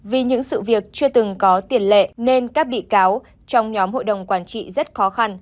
vì những sự việc chưa từng có tiền lệ nên các bị cáo trong nhóm hội đồng quản trị rất khó khăn